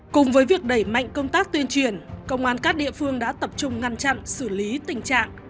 cùng với việc đẩy mạnh công tác tuyên truyền công an các địa phương đã tập trung ngăn chặn xử lý tình trạng